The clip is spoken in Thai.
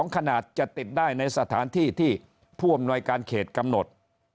ขนาดจะติดได้ในสถานที่ที่ผู้อำนวยการเขตกำหนด